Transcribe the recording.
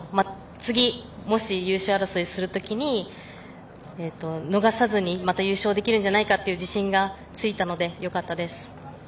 次、もし優勝争いする時に逃さずにまた優勝できるんじゃないかという自信がついたのでよかったです。